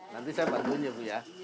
nanti saya bantuin ya bu ya